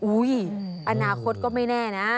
อุ้ยอนาคตก็ไม่แน่นะ